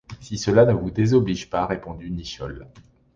Si cela ne vous désoblige pas, répondit Nicholl.